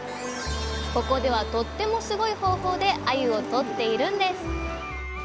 ここではとってもスゴイ方法であゆをとっているんです！